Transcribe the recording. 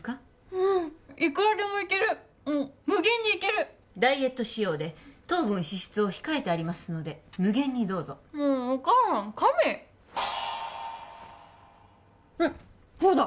うんいくらでもいけるうん無限にいけるダイエット仕様で糖分脂質を控えてありますので無限にどうぞもうっお母さん神うんっそうだ